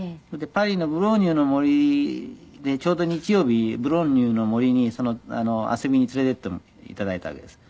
パリのブローニュの森でちょうど日曜日ブローニュの森に遊びに連れて行って頂いたわけです。